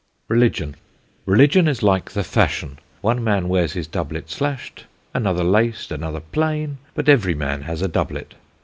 RELIGION. Religion is like the Fashion: one Man wears his Doublet slashed, another laced, another plain; but every Man has a Doublet.